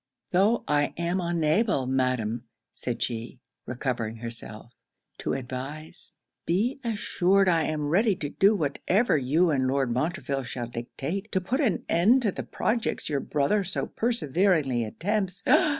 'Though I am unable, madam,' said she, recovering herself, 'to advise, be assured I am ready to do whatever you and Lord Montreville shall dictate, to put an end to the projects your brother so perseveringly attempts.